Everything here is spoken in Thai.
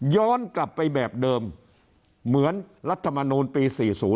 ย้อนกลับไปแบบเดิมเหมือนรัฐมนูลปี๔๐